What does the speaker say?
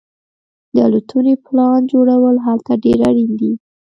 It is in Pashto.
د الوتنې پلان جوړول هلته ډیر اړین دي